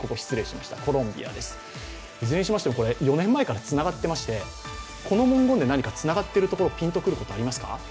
いずれにしましても、これ、４年前からつながっていまして、この文言でつながっているところ、ピンと来る方、いますか。